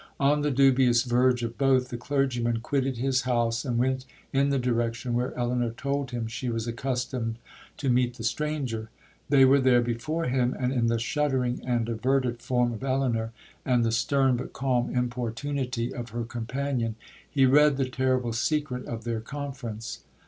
On the dubious verge of both, the clergyman quitted his house, and went in the direction where Elinor told him she was accustomed to meet the stranger. 'They were there before him; and in the shuddering and averted form of Elinor, and the stern but calm importunity of her companion, he read the terrible secret of their conference.